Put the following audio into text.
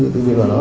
từ biên luận đó